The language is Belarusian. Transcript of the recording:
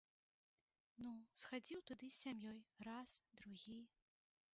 Ну, схадзіў туды з сям'ёй, раз, другі.